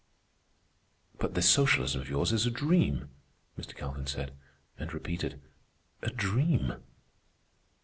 "But this socialism of yours is a dream," Mr. Calvin said; and repeated, "a dream."